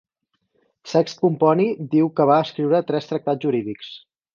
Sext Pomponi diu que va escriure tres tractats jurídics.